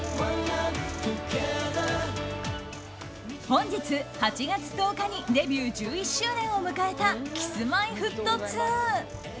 本日８月１０日にデビュー１１周年を迎えたＫｉｓ‐Ｍｙ‐Ｆｔ２。